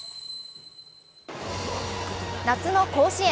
夏の甲子園。